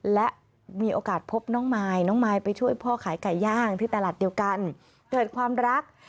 และมีโอกาสพบน้องมายน้องมายไปช่วยพ่อขายไก่ย่างที่ตลาดเดียวกันเกิดความรัก